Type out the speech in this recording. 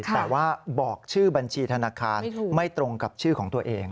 แต่ว่าบอกชื่อบัญชีธนาคารไม่ตรงกับชื่อของตัวเอง